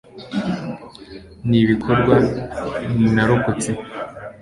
Nibikorwa narokotse